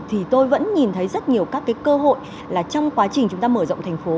thì tôi vẫn nhìn thấy rất nhiều các cái cơ hội là trong quá trình chúng ta mở rộng thành phố